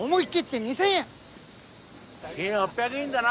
１，８００円だな。